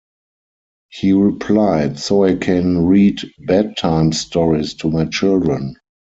He replied, 'So I can read bedtime stories to my children.